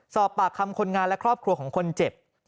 สอบปากคำคนงานและครอบครัวของคนเจ็บ